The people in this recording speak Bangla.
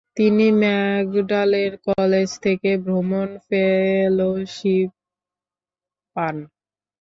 তিনি ম্যাগডালেন কলেজ থেকে ভ্রমণ ফেলোশিপ পান।